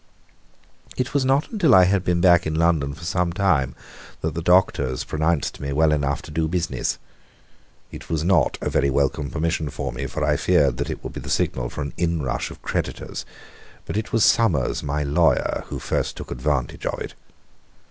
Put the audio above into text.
It was not until I had been back in London for some time that the doctors pronounced me to be well enough to do business. It was not a very welcome permission to me, for I feared that it would be the signal for an inrush of creditors; but it was Summers, my lawyer, who first took advantage of it.